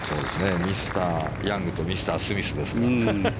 ミスターヤングとミスタースミスですか。